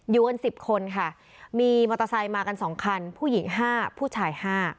อยู่กัน๑๐คนค่ะมีมอเตอร์ไซค์มากัน๒คันผู้หญิง๕ผู้ชาย๕